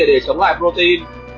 để chống lại protein